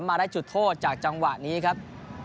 มาได้จุดโทษจากจังหวะนี้ครับ